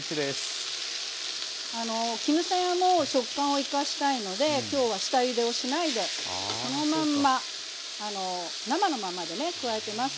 あの絹さやも食感を生かしたいので今日は下ゆでをしないでそのまんま生のまんまでね加えてます。